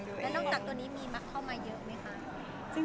แล้วนอกจากตัวนี้มีเข้ามาเยอะไหมคะ